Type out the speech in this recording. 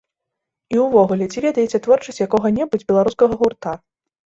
І ўвогуле, ці ведаеце творчасць якога-небудзь беларускага гурта?